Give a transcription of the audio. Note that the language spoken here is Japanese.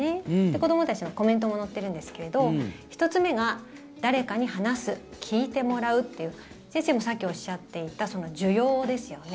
子どもたちのコメントも載ってるんですけど１つ目が、誰かに話す聞いてもらうっていう先生もさっきおっしゃっていた受容ですよね。